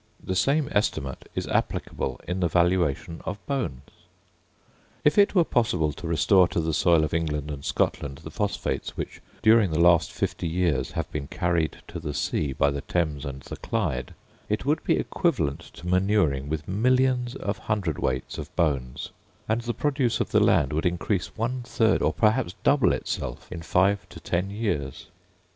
The same estimate is applicable in the valuation of bones. If it were possible to restore to the soil of England and Scotland the phosphates which during the last fifty years have been carried to the sea by the Thames and the Clyde, it would be equivalent to manuring with millions of hundred weights of bones, and the produce of the land would increase one third, or perhaps double itself, in five to ten years.